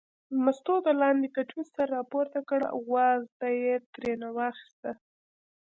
مستو د لاندې له کټوې سر راپورته کړ او وازده یې ترېنه واخیسته.